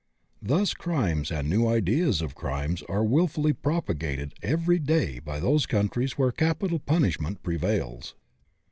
Thus crimes and new ideas of crimes are wil fully propagated every day by those countries where capital punishment prevails.